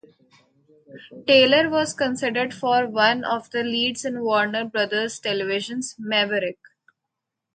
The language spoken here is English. Taylor was considered for one of the leads in Warner Brothers Television's "Maverick".